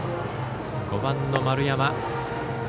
５番の丸山。